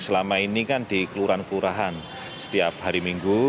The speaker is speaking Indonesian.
selama ini kan di kelurahan kelurahan setiap hari minggu